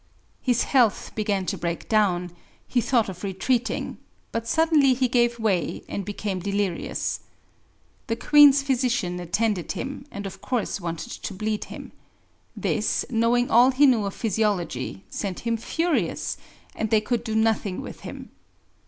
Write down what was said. His health began to break down: he thought of retreating, but suddenly he gave way and became delirious. The Queen's physician attended him, and of course wanted to bleed him. This, knowing all he knew of physiology, sent him furious, and they could do nothing with him.